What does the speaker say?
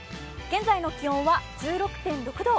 現在の気温は１６．６度。